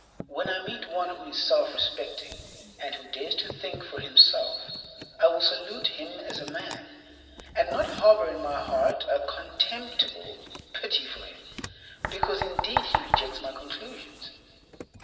When I meet one who is self respecting, and who dares to think for himself, I will salute him as a man, and not harbor in my heart a contemptible pity for him, because, indeed, he rejects my conclusions.